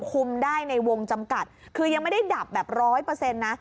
คุมได้ในวงจำกัดคือยังไม่ได้ดับแบบ๑๐๐นะ